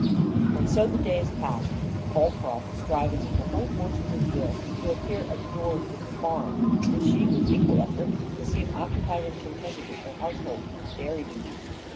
And so the days passed; Holcroft striving with the whole force of his will to appear absorbed in the farm, and she, with equal effort, to seem occupied and contented with her household and dairy duties.